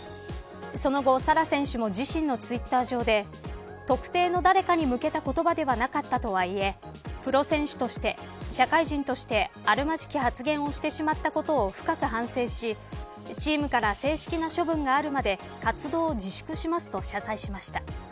その後、ＳａＲａ選手も自身のツイッター上で特定の誰かに向けた言葉ではなかったとはいえプロ選手として、社会人としてあるまじき発言をしてしまったことを深く反省し、チームから正式な処分があるまで活動を自粛しますと謝罪しました。